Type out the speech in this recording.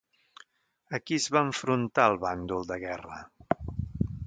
A qui es va enfrontar el bàndol de guerra?